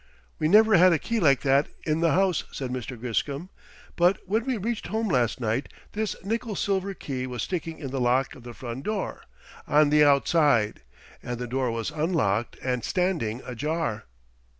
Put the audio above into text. "We never had a key like that in the house," said Mr. Griscom. "But when we reached home last night, this nickel silver key was sticking in the lock of the front door, on the outside, and the door was unlocked and standing ajar."